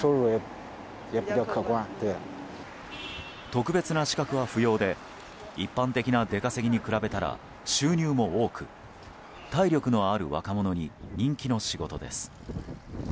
特別な資格は不要で一般的な出稼ぎに比べたら収入も多く、体力のある若者に人気の仕事です。